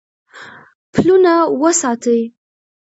پلونه وساتئ